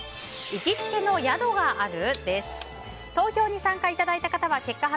行きつけの宿がある。